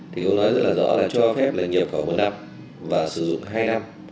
thì ông nói rất là rõ là cho phép là nhập khẩu một năm và sử dụng hai năm